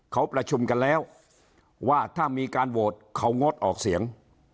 เขาประชุมกันแล้วว่าถ้ามีการโหวตเขางดออกเสียง